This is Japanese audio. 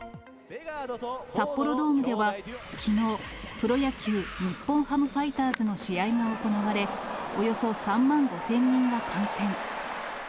札幌ドームではきのう、プロ野球・日本ハムファイターズの試合が行われ、およそ３万５０００人が観戦。